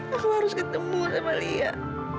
aku harus ketemu sama lia